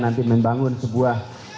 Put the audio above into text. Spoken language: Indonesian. nanti membangun sebuah